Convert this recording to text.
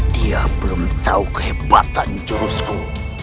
dia belum tahu kehebatan jurusku